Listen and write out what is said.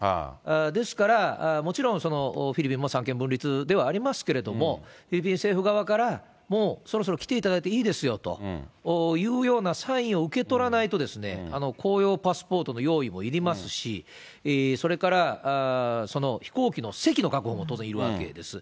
ですから、もちろん、フィリピンも三権分立ではありますけれども、フィリピン政府側から、もうそろそろ来ていただいていいですよというようなサインを受け取らないと、公用パスポートの用意もいりますし、それから、飛行機の席の確保も当然いるわけです。